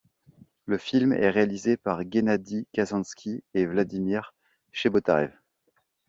Le film est réalisé par Guennadi Kazansky et Vladimir Chebotarev.